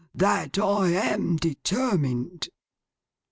That I am determined.